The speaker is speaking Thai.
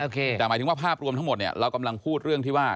แต่หมายถึงว่าภาพรวมทั้งหมดเนี่ยเรากำลังพูดเรื่องที่ว่า